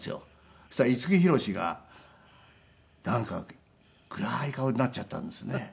そしたら五木ひろしがなんか暗い顔になっちゃったんですね。